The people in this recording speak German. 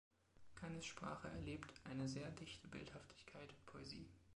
Kanes Sprache erlebt eine sehr dichte Bildhaftigkeit und Poesie.